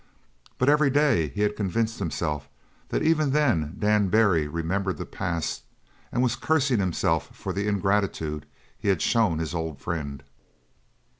But every day he had convinced himself that even then Dan Barry remembered the past and was cursing himself for the ingratitude he had shown his old friend.